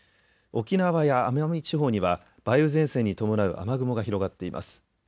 沖縄や奄美地方には梅雨前線に伴う雨雲が広がっています。